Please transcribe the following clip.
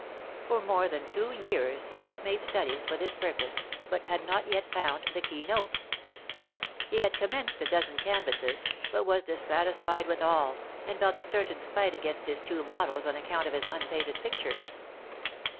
For more than two years he had made studies for this purpose, but had not yet found the key note. He had commenced a dozen canvasses, but was dissatisfied with all, and felt a certain spite against his two models on account of his unpainted picture.